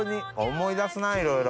思い出すなぁいろいろ。